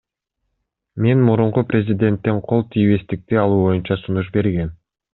Мен мурунку президенттен кол тийбестикти алуу боюнча сунуш бергем.